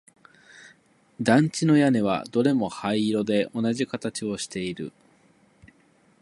団地の屋根はどれも灰色で同じ形をしている